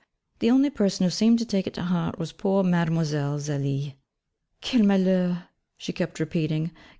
The only person who seemed to take it to heart was poor Mlle. Zélie. 'Quel malheur,' she kept repeating.